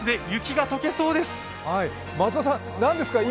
雪がとけそうです。